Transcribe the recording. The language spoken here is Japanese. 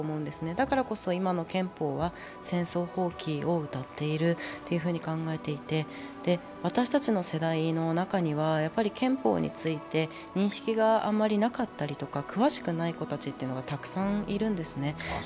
だからこそ今の憲法は戦争放棄をうたっているというふうに考えていて、私たちの世代の中には憲法について認識があまりなかったりとか、詳しくなかったりする子がたくさんいるんですね。